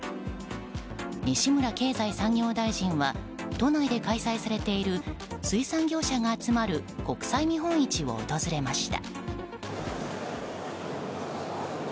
西村経済産業大臣は都内で開催されている水産業者が集まる国際見本市を訪れました。